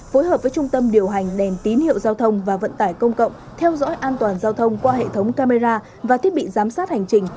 phối hợp với trung tâm điều hành đèn tín hiệu giao thông và vận tải công cộng theo dõi an toàn giao thông qua hệ thống camera và thiết bị giám sát hành trình